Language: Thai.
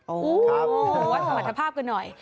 โอ้มาสวรรทภาพกันหน่อย